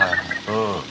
うん。